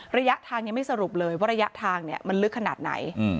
ระยะทางยังไม่สรุปเลยว่าระยะทางมันลึกขนาดไหน